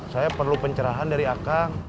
saya perlu pencerahan dari aka